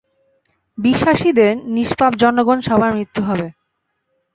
বিশ্বাসীদের, নিষ্পাপ জনগণ সবার মৃত্যু হবে।